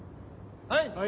はい！